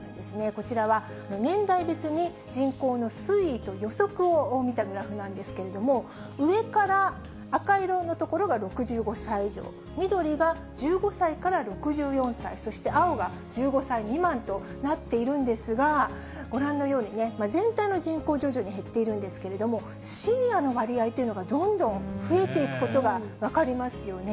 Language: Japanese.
こちらは年代別に人口の推移と予測を見たグラフなんですけれども、上から赤色の所が６５歳以上、緑が１５歳から６４歳、そして青が１５歳未満となっているんですが、ご覧のようにね、全体の人口、徐々に減っているんですけれども、シニアの割合というのがどんどん増えていくことが分かりますよね。